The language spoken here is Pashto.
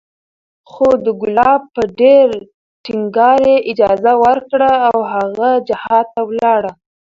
خو د کلاب په ډېر ټينګار یې اجازه ورکړه او هغه جهاد ته ولاړ